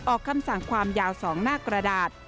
ออกคำสั่งความยาว๒หน้ากระดาษ